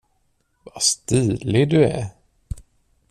Vad stilig du är.